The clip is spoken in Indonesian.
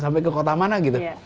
sampai ke kota mana gitu